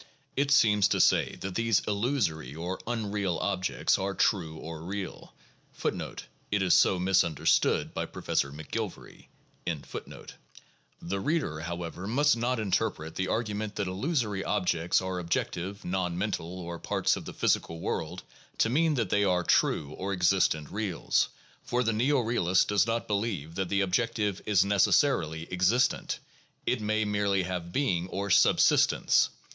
It seems to say that these illusory or unreal objects are true or real. 14 The reader, however, must not interpret the argument that illusory objects are objective, non mental, or parts of the physical world, to mean that they are true or existent reals, for the neo realist does not believe that the objective is necessarily existent; it may merely have being or sub sistence.